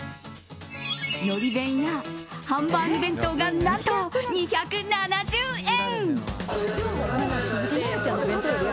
のり弁やハンバーグ弁当が何と２７０円。